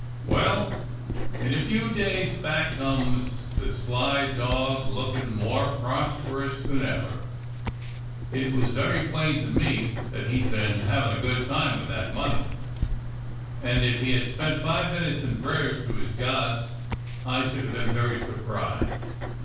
"Well, in a few days back comes the sly dog lookin' more prosperous than ever. It was very plain to me that he'd been havin' a good time with that money, and if he had spent five minutes in prayers to his gods I should be very much surprised.